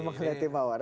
mengenai tim mawar